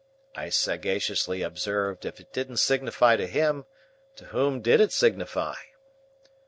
I sagaciously observed, if it didn't signify to him, to whom did it signify?